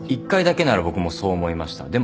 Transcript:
１回だけなら僕もそう思いました。